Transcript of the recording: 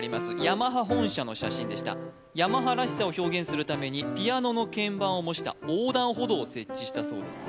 ヤマハ本社の写真でしたヤマハらしさを表現するためにピアノの鍵盤を模した横断歩道を設置したそうです